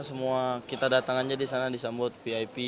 semua kita datang aja disana disambut vip